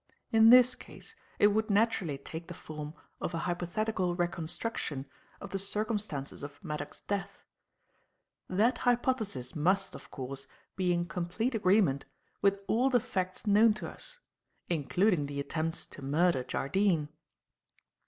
In this case it would naturally take the form of a hypothetical reconstruction of the circumstances of Maddock's death. That hypothesis must, of course, be in complete agreement with all the facts known to us, including the attempts to murder Jardine.